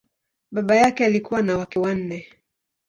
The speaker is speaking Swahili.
Baba yake alikuwa na wake wanne.